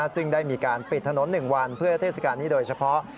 ซึ่งได้มีการปิดถนน๑วันเพื่อเทศกาลนี้โดยเฉพาะ